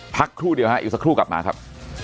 ครู่เดียวฮะอีกสักครู่กลับมาครับ